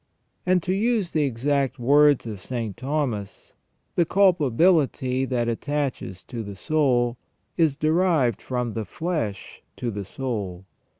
And, to use the exact words of St. Thomas, the culpability that attaches to the soul "is derived from the flesh to the soul".